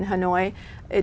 hà nội là